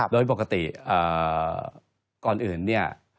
โดยปกติก่อนอื่นเนี่ย